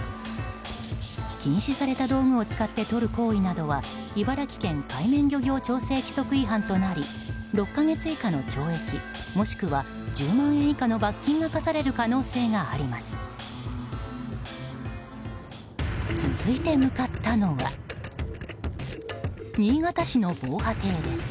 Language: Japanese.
禁止された道具を使ってとる行為などは茨城県海面漁業調整規則違反となり６か月以下の懲役もしくは１０万円以下の罰金が科される可能性があります。